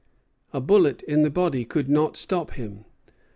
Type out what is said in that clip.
A bullet in the body could not stop him.